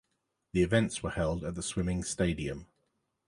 The events were held at the Swimming Stadium.